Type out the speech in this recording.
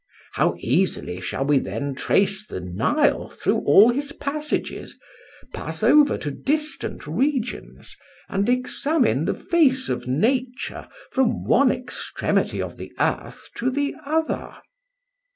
How easily shall we then trace the Nile through all his passages, pass over to distant regions, and examine the face of nature from one extremity of the earth to the other."